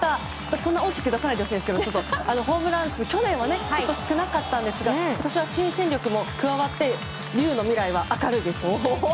こんなに大きく出さないでほしいんですけどホームラン数、去年はちょっと少なかったんですが今年は新戦力も加わって竜の未来は明るいです！